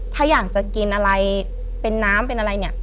ถ้าอยากจะกินอะไรเป็นน้ำเป็นอะไรเนี่ย